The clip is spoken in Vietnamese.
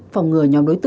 phòng ngừa nhóm đối tượng